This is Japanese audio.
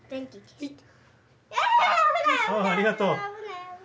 あっありがとう。